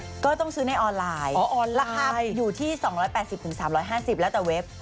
ก็ต้องซื้อในออนไลน์ราคาอยู่ที่๒๘๐๓๕๐แล้วแต่เว็บ